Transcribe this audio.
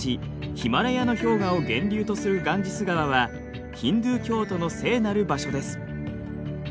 ヒマラヤの氷河を源流とするガンジス川はヒンドゥー教徒の聖なる場所です。